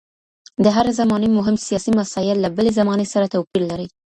د هري زمانې مهم سیاسي مسایل له بلي زمانې سره توپیر لري.